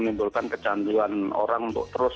menimbulkan kecanduan orang untuk terus